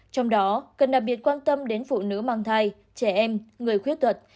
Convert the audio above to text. trong đó cần đặc biệt quan tâm đến phụ nữ mang thai trẻ em người khuyết tật